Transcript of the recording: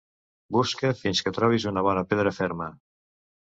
Busca fins que trobis una bona pedra ferma.